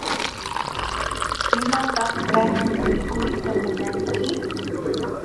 ¿Imataq kanan mikuyta munanki?